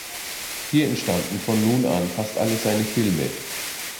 Hier entstanden von nun an fast alle seine Filme.